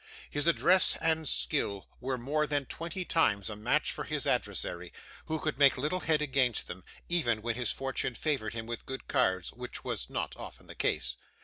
His address and skill were more than twenty times a match for his adversary, who could make little head against them, even when fortune favoured him with good cards, which was not often the case.